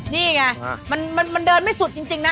นี่ไงมันเดินไม่สุดจริงนะ